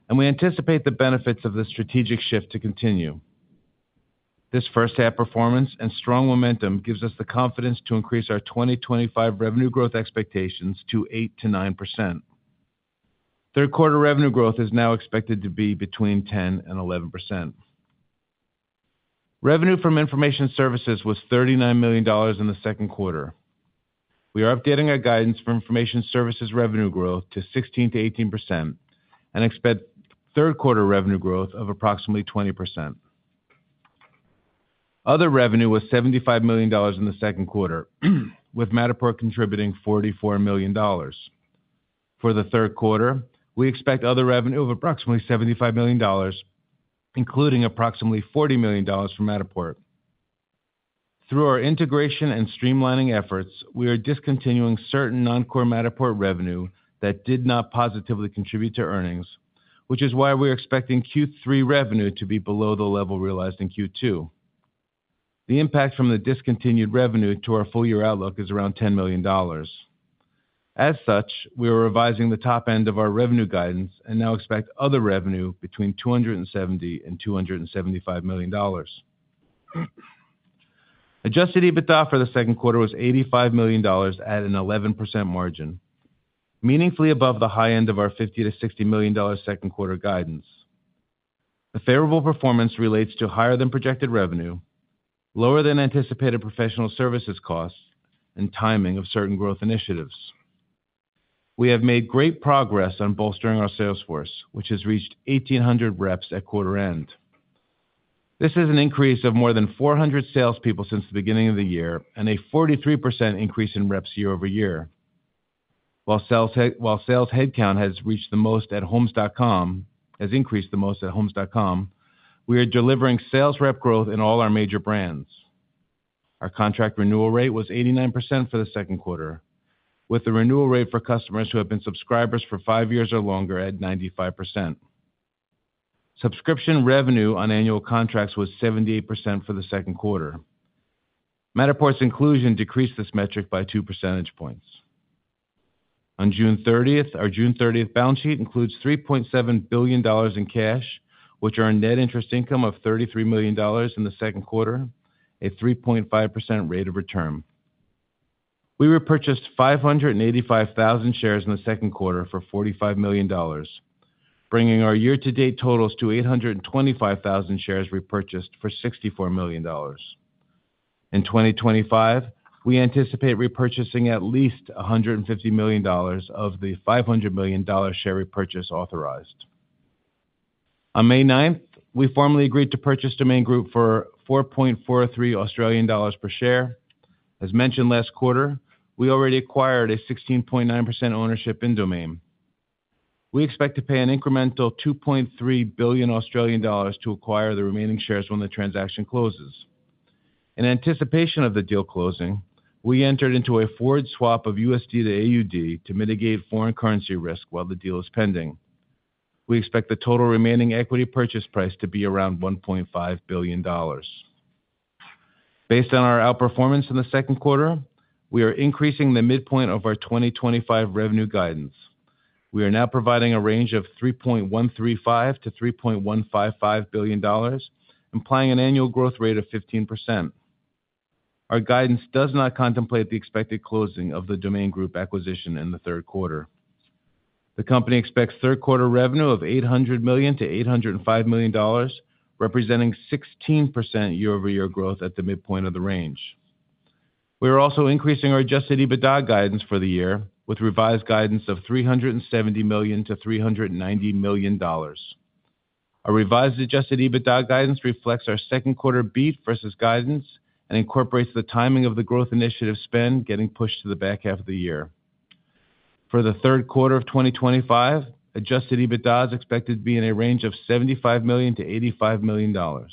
and we anticipate the benefits of the strategic shift to continue. This first-half performance and strong momentum gives us the confidence to increase our 2025 revenue growth expectations to 8%-9%. Third quarter revenue growth is now expected to be between 10% and 11%. Revenue from Information Services was $39 million in the second quarter. We are updating our guidance for Information Services revenue growth to 16%-18% and expect third quarter revenue growth of approximately 20%. Other revenue was $75 million in the second quarter, with Matterport contributing $44 million. For the third quarter, we expect other revenue of approximately $75 million, including approximately $40 million from Matterport. Through our integration and streamlining efforts, we are discontinuing certain non-core Matterport revenue that did not positively contribute to earnings, which is why we're expecting Q3 revenue to be below the level realized in Q2. The impact from the discontinued revenue to our full-year outlook is around $10 million. As such, we are revising the top end of our revenue guidance and now expect other revenue between $270-$275 million. Adjusted EBITDA for the second quarter was $85 million at an 11% margin, meaningfully above the high end of our $50-$60 million second quarter guidance. The favorable performance relates to higher than projected revenue, lower than anticipated professional services costs, and timing of certain growth initiatives. We have made great progress on bolstering our sales force, which has reached 1,800 reps at quarter end. This is an increase of more than 400 salespeople since the beginning of the year and a 43% increase in reps year-over-year. While sales headcount has reached the most at Homes.com, has increased the most at Homes.com, we are delivering sales rep growth in all our major brands. Our contract renewal rate was 89% for the second quarter, with the renewal rate for customers who have been subscribers for five years or longer at 95%. Subscription revenue on annual contracts was 78% for the second quarter. Matterport's inclusion decreased this metric by two percentage points. On June 30th, our June 30th balance sheet includes $3.7 billion in cash, which earned net interest income of $33 million in the second quarter, a 3.5% rate of return. We repurchased 585,000 shares in the second quarter for $45 million, bringing our year-to-date totals to 825,000 shares repurchased for $64 million. In 2025, we anticipate repurchasing at least $150 million of the $500 million share repurchase authorized. On May 9th, we formally agreed to purchase Domain Group for 4.43 Australian dollars per share. As mentioned last quarter, we already acquired a 16.9% ownership in Domain. We expect to pay an incremental 2.3 billion Australian dollars to acquire the remaining shares when the transaction closes. In anticipation of the deal closing, we entered into a forward swap of USD to AUD to mitigate foreign currency risk while the deal is pending. We expect the total remaining equity purchase price to be around $1.5 billion. Based on our outperformance in the second quarter, we are increasing the midpoint of our 2025 revenue guidance. We are now providing a range of $3.135 billion-$3.155 billion, implying an annual growth rate of 15%. Our guidance does not contemplate the expected closing of the Domain Group acquisition in the third quarter. The company expects third quarter revenue of $800 million-$805 million, representing 16% year-over-year growth at the midpoint of the range. We are also increasing our adjusted EBITDA guidance for the year with revised guidance of $370 million-$390 million. Our revised adjusted EBITDA guidance reflects our second quarter beat versus guidance and incorporates the timing of the growth initiative spend getting pushed to the back half of the year. For the third quarter of 2025, adjusted EBITDA is expected to be in a range of $75 million-$85 million.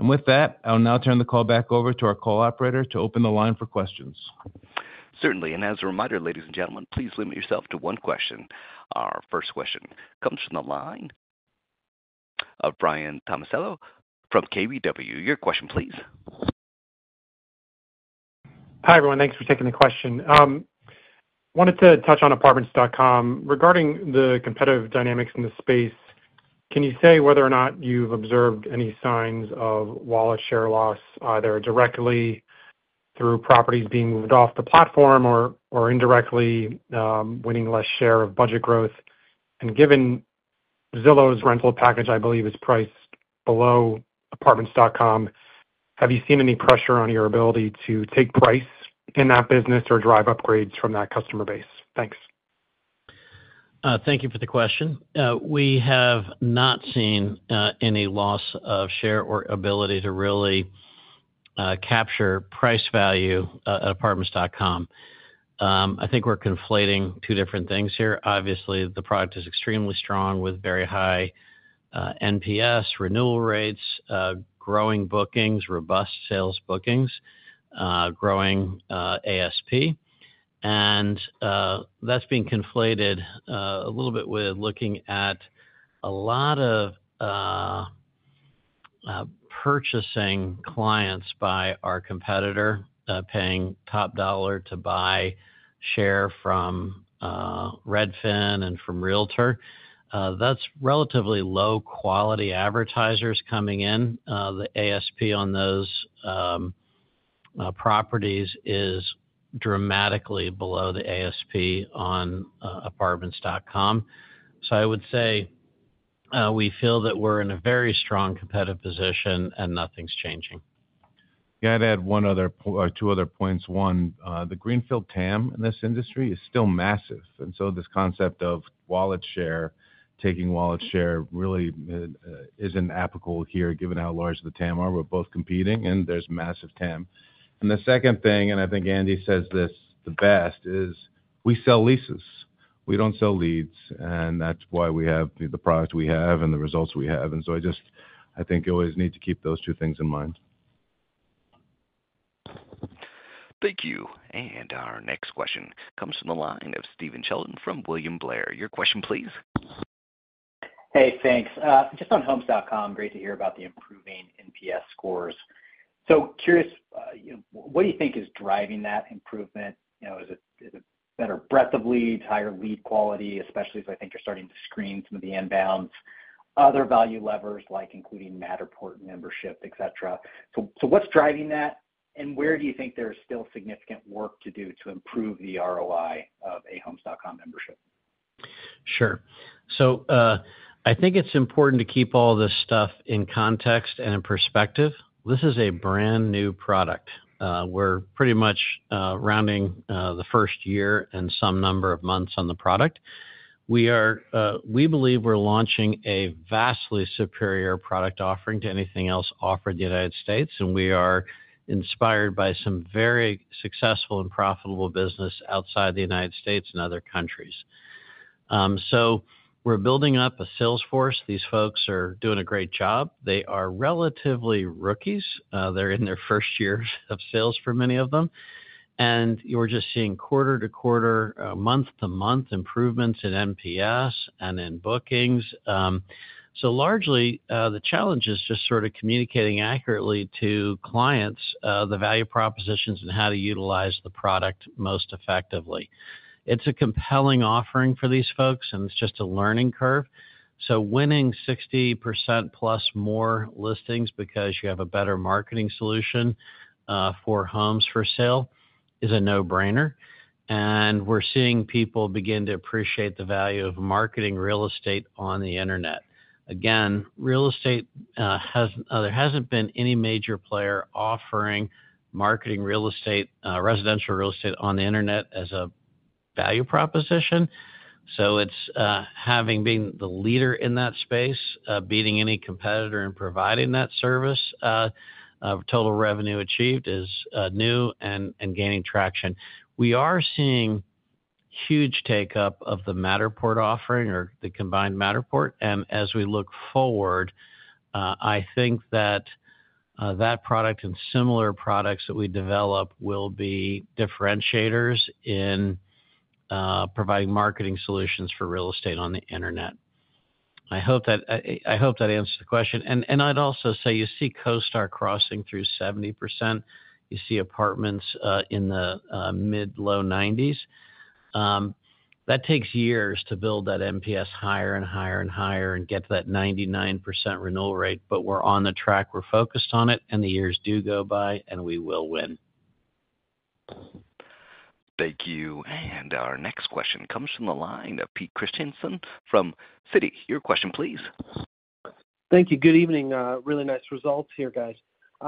With that, I'll now turn the call back over to our call operator to open the line for questions. Certainly. As a reminder, ladies and gentlemen, please limit yourself to one question. Our first question comes from the line of Brian Tomasello from KBW. Your question, please. Hi everyone. Thanks for taking the question. I wanted to touch on Apartments.com regarding the competitive dynamics in the space. Can you say whether or not you've observed any signs of wallet share loss, either directly through properties being moved off the platform or indirectly winning less share of budget growth? And given. Zillow's rental package, I believe, is priced below Apartments.com. Have you seen any pressure on your ability to take price in that business or drive upgrades from that customer base? Thanks. Thank you for the question. We have not seen any loss of share or ability to really capture price value at Apartments.com. I think we're conflating two different things here. Obviously, the product is extremely strong with very high NPS, renewal rates, growing bookings, robust sales bookings, growing ASP. That's being conflated a little bit with looking at a lot of purchasing clients by our competitor, paying top dollar to buy share from Redfin and from Realtor. That's relatively low-quality advertisers coming in. The ASP on those properties is dramatically below the ASP on Apartments.com. I would say we feel that we're in a very strong competitive position and nothing's changing. I'd add one other or two other points. One, the greenfield TAM in this industry is still massive. This concept of wallet share, taking wallet share, really isn't applicable here given how large the TAM are. We're both competing and there's massive TAM. The second thing, and I think Andy says this the best, is we sell leases. We don't sell leads. That's why we have the product we have and the results we have. I just, I think you always need to keep those two things in mind. Thank you. Our next question comes from the line of Stephen Sheldon from William Blair. Your question, please. Hey, thanks. Just on Homes.com, great to hear about the improving NPS scores. Curious, what do you think is driving that improvement? Is it better breadth of leads, higher lead quality, especially as I think you're starting to screen some of the inbounds, other value levers like including Matterport membership, etc.? What's driving that? Where do you think there's still significant work to do to improve the ROI of a Homes.com membership? Sure. I think it's important to keep all this stuff in context and perspective. This is a brand new product. We're pretty much running the first year and some number of months on the product. We believe we're launching a vastly superior product offering to anything else offered in the Unites States, and we are inspired by some very successful and profitable business outside the United States and other countries. So we're building up a sales force. These folks are doing a great job. They are relatively rookies. They're in their first year of sales for many of them. Thank you. Our next question comes from the line of Pete Christiansen from Citi. Your question, please. Thank you. Good evening. Really nice results here, guys.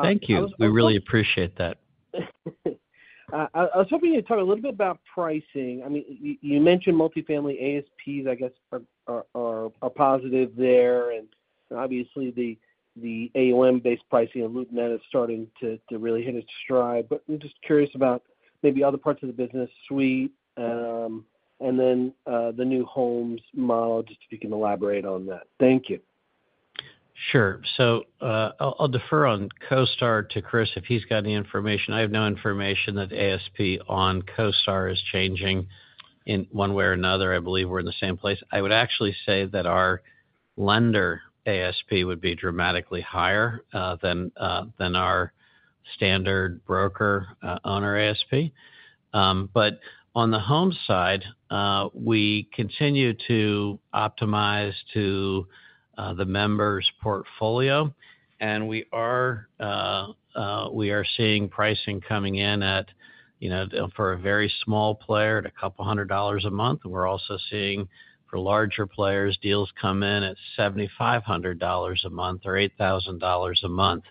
Thank you. We really appreciate that. I was hoping you would talk a little bit about pricing. I mean, you mentioned multifamily ASPs, I guess. Are positive there. Obviously, the AUM-based pricing and LoopNet is starting to really hit its stride. I am just curious about maybe other parts of the business suite. Then the new homes model, just if you can elaborate on that. Thank you. Sure. I will defer on CoStar to Chris if he has any information. I have no information that ASP on CoStar is changing in one way or another. I believe we are in the same place. I would actually say that our lender ASP would be dramatically higher than our standard broker owner ASP. On the home side, we continue to optimize to the members' portfolio. We are seeing pricing coming in at, for a very small player, at a couple hundred dollars a month. We are also seeing for larger players, deals come in at $7,500 a month or $8,000 a month.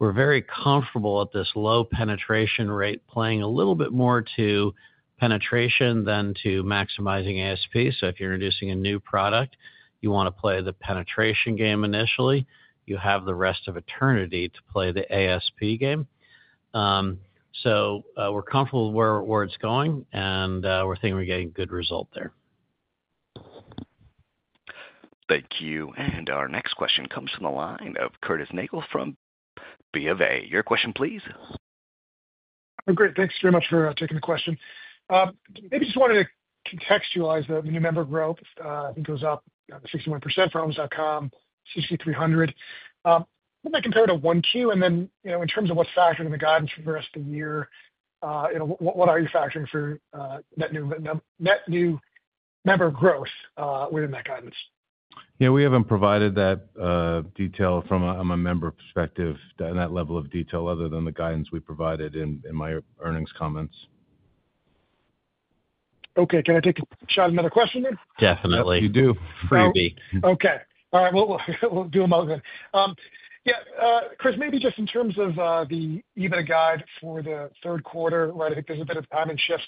We are very comfortable at this low penetration rate, playing a little bit more to penetration than to maximizing ASP. If you are introducing a new product, you want to play the penetration game initially. You have the rest of eternity to play the ASP game. We are comfortable where it is going, and we are thinking we are getting good results there. Thank you. Our next question comes from the line of Curtis Nagle from BofA. Your question, please. Great. Thanks very much for taking the question. Maybe just wanted to contextualize the new member growth. I think it was up 61% for Homes.com, 6,300. When they compare to Q1 and then in terms of what's factored in the guidance for the rest of the year, what are you factoring for that new member growth within that guidance? Yeah, we haven't provided that detail from a member perspective, that level of detail other than the guidance we provided in my earnings comments. Okay. Can I take a shot at another question then? Definitely. You do. Okay. All right. We'll do them both then. Yeah. Chris, maybe just in terms of the EBITDA guide for the third quarter, right? I think there's a bit of timing shifts.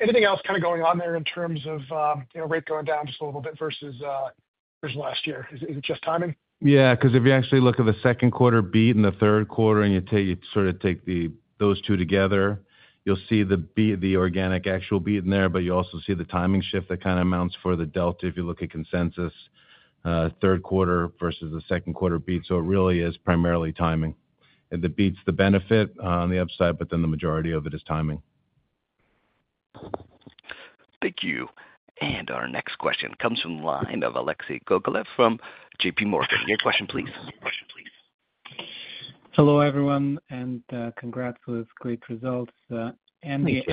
Anything else kind of going on there in terms of rate going down just a little bit versus last year? Is it just timing? Yeah. Because if you actually look at the second quarter beat and the third quarter and you sort of take those two together, you'll see the organic actual beat in there, but you also see the timing shift that kind of amounts for the delta if you look at consensus third quarter versus the second quarter beat. It really is primarily timing. The beat's the benefit on the upside, but then the majority of it is timing. Thank you. Our next question comes from the line of Alexei Gogolev from JPMorgan. Your question, please. Hello, everyone, and congrats with great results. Andy,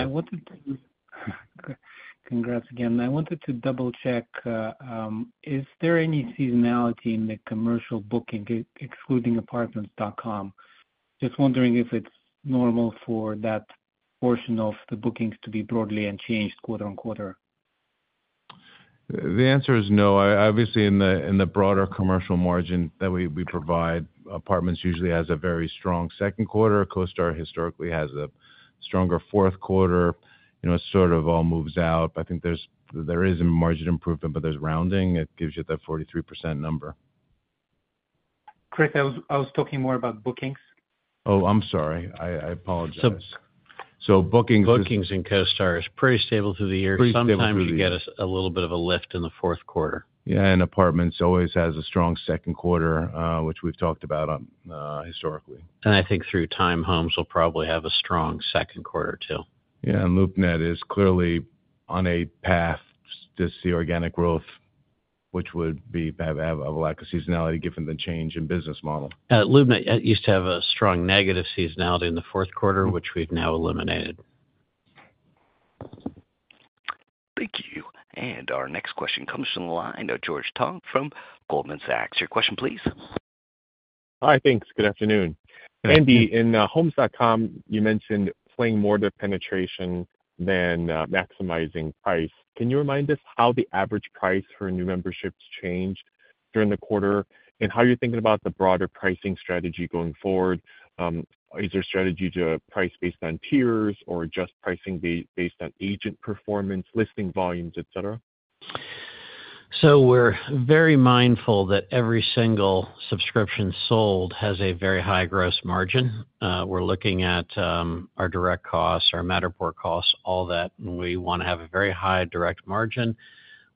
congrats again. I wanted to double-check. Is there any seasonality in the commercial booking, excluding Apartments.com? Just wondering if it's normal for that portion of the bookings to be broadly unchanged quarter on quarter. The answer is no. Obviously, in the broader commercial margin that we provide, Apartments usually has a very strong second quarter. CoStar historically has a stronger fourth quarter. It sort of all moves out. I think there is a margin improvement, but there's rounding. It gives you that 43% number. Chris, I was talking more about bookings. Oh, I'm sorry. I apologize. Bookings and CoStar are pretty stable through the year. Sometimes you get a little bit of a lift in the fourth quarter. Yeah. Apartments always has a strong second quarter, which we've talked about historically. I think through time, Homes will probably have a strong second quarter too. Yeah. LoopNet is clearly on a path to see organic growth, which would have a lack of seasonality given the change in business model. LoopNet used to have a strong negative seasonality in the fourth quarter, which we've now eliminated. Thank you. Our next question comes from the line of George Tong from Goldman Sachs. Your question, please. Hi, thanks. Good afternoon. Andy, in Homes.com, you mentioned playing more to penetration than maximizing price. Can you remind us how the average price for new memberships changed during the quarter and how you're thinking about the broader pricing strategy going forward? Is there a strategy to price based on tiers or just pricing based on agent performance, listing volumes, etc.? We're very mindful that every single subscription sold has a very high gross margin. We're looking at our direct costs, our Matterport costs, all that. We want to have a very high direct margin.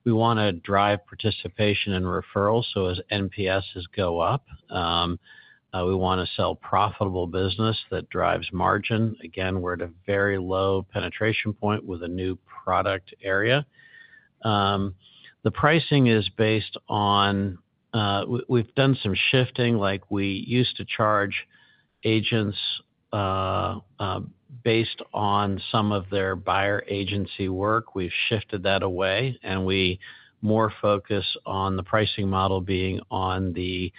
We want to drive participation and referrals so as NPSs go up. We want to sell profitable business that drives margin. Again, we're at a very low penetration point with a new product area. The pricing is based on—we've done some shifting. We used to charge agents based on some of their buyer agency work. We've shifted that away, and we more focus on the pricing model being on the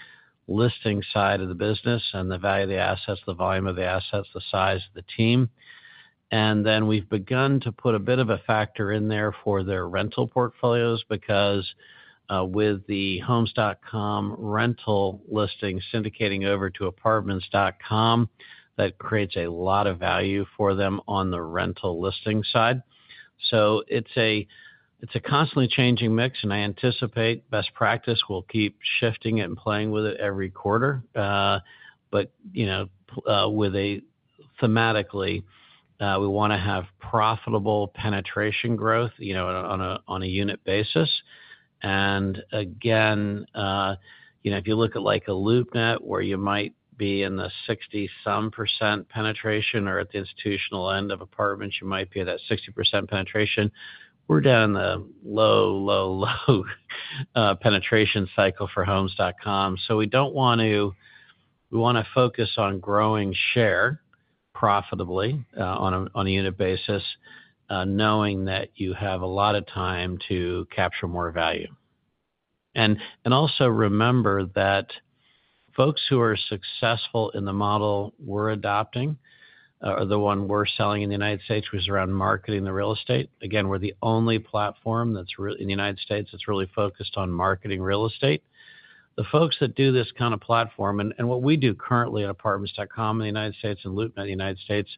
listing side of the business and the value of the assets, the volume of the assets, the size of the team. We've begun to put a bit of a factor in there for their rental portfolios because with the Homes.com rental listing syndicating over to Apartments.com, that creates a lot of value for them on the rental listing side. It's a constantly changing mix, and I anticipate best practice will keep shifting it and playing with it every quarter. Thematically, we want to have profitable penetration growth on a unit basis. Again, if you look at a LoopNet where you might be in the 60-some percent penetration or at the institutional end of apartments, you might be at that 60% penetration. We're down the low, low, low penetration cycle for Homes.com. We want to focus on growing share profitably on a unit basis, knowing that you have a lot of time to capture more value. Also remember that folks who are successful in the model we're adopting or the one we're selling in the United States was around marketing the real estate. Again, we're the only platform in the United States that's really focused on marketing real estate. The folks that do this kind of platform and what we do currently at Apartments.com in the United States and LoopNet in the United States,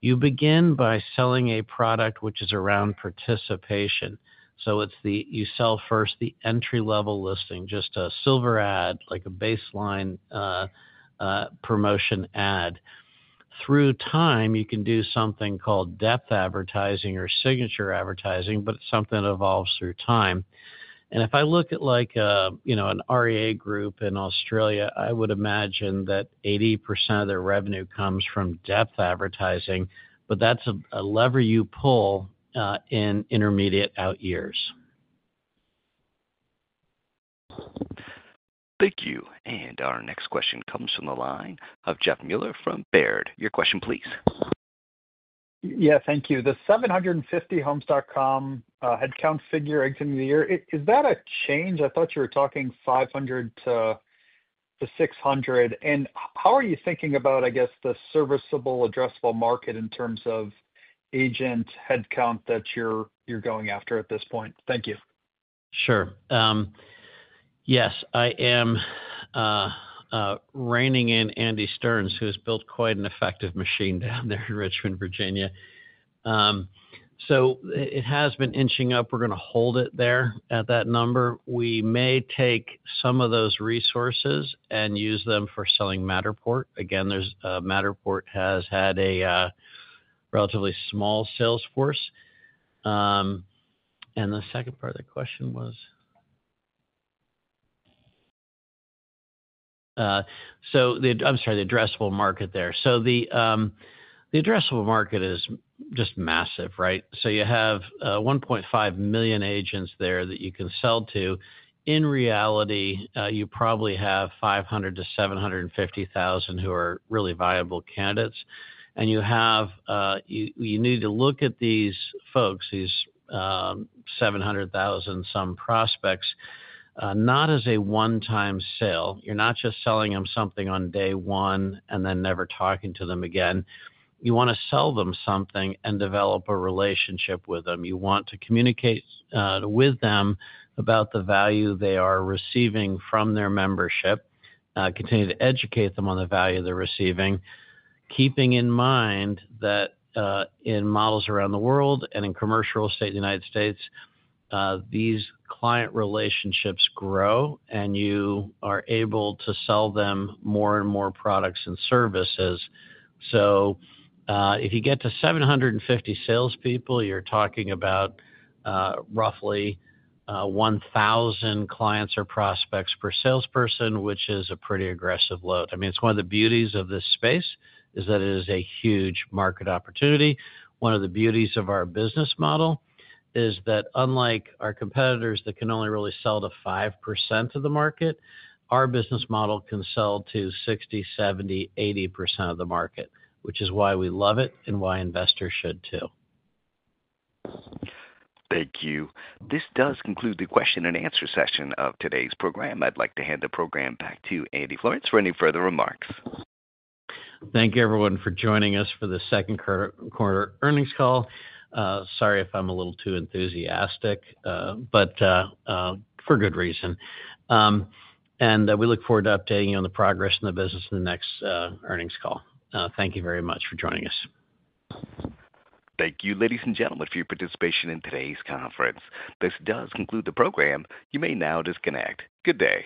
you begin by selling a product which is around participation. You sell first the entry-level listing, just a silver ad, like a baseline promotion ad. Through time, you can do something called depth advertising or signature advertising, but it's something that evolves through time. If I look at an REA Group in Australia, I would imagine that 80% of their revenue comes from depth advertising, but that's a lever you pull in intermediate out years. Thank you. Our next question comes from the line of Jeff Meuler from Baird. Your question, please. Yeah. Thank you. The 750 Homes.com headcount figure exiting the year, is that a change? I thought you were talking 500-600. How are you thinking about, I guess, the serviceable, addressable market in terms of agent headcount that you're going after at this point? Thank you. Sure. Yes. I am reining in Andy Stearns, who has built quite an effective machine down there in Richmond, Virginia. It has been inching up. We're going to hold it there at that number. We may take some of those resources and use them for selling Matterport. Again, Matterport has had a relatively small salesforce. The second part of the question was? I'm sorry, the addressable market there. The addressable market is just massive, right? You have 1.5 million agents there that you can sell to. In reality, you probably have 500,000-750,000 who are really viable candidates. You need to look at these folks, these 700,000-some prospects, not as a one-time sale. You're not just selling them something on day one and then never talking to them again. You want to sell them something and develop a relationship with them. You want to communicate with them about the value they are receiving from their membership. Continue to educate them on the value they're receiving, keeping in mind that in models around the world and in commercial real estate in the United States, these client relationships grow, and you are able to sell them more and more products and services. If you get to 750 salespeople, you're talking about roughly 1,000 clients or prospects per salesperson, which is a pretty aggressive load. I mean, it's one of the beauties of this space is that it is a huge market opportunity. One of the beauties of our business model is that, unlike our competitors that can only really sell to 5% of the market, our business model can sell to 60%, 70%, 80% of the market, which is why we love it and why investors should too. Thank you. This does conclude the Q&A session of today's program. I'd like to hand the program back to Andy Florance for any further remarks. Thank you, everyone, for joining us for the second quarter earnings call. Sorry if I'm a little too enthusiastic, but for good reason. We look forward to updating you on the progress in the business in the next earnings call. Thank you very much for joining us. Thank you, ladies and gentlemen, for your participation in today's conference. This does conclude the program. You may now disconnect. Good day.